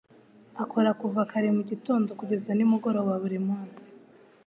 akora kuva kare mu gitondo kugeza nimugoroba buri munsi.